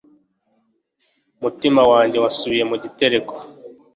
Umutima wanjye wasubiye mu gitereko